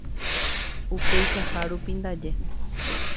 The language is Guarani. Upeichahárupi ndaje.